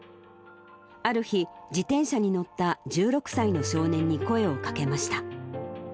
ある日、自転車に乗った１６歳の少年に声をかけました。